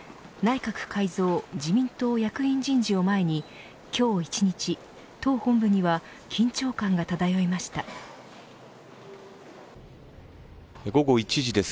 内閣改造、自民党役員人事を前に今日１日、党本部には午後１時です。